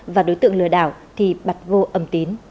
và đối tượng lừa đảo thì bắt vô ẩm